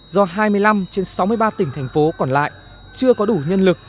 do hai mươi năm trên sáu mươi ba tỉnh thành phố còn lại chưa có đủ nhân lực